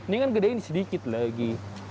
ini kan gedein sedikit lagi